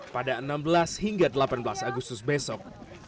pada enam belas hingga delapan belas agustus besok